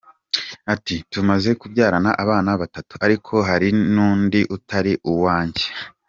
Ati: “ Tumaze kubyarana abana batatu, ariko hari n’undi utari uwanjye.